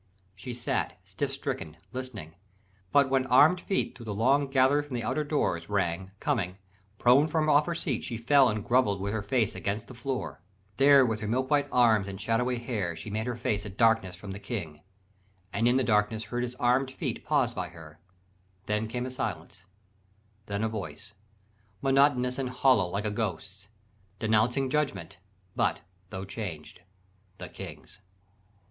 She sat Stiff stricken, listening; but when armed feet Thro' the long gallery from the outer doors Rang, coming, prone from off her seat she fell And grovell'd with her face against the floor: There with her milk white arms and shadowy hair She made her face a darkness from the King; And in the darkness heard his armed feet Pause by her; then came silence, then a voice, Monotonous and hollow like a ghost's, Denouncing judgment, but, tho' changed, the King's.